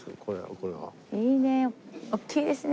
いいね。